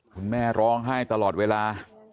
คุณแม่ร้องไห้ตลอดเวลา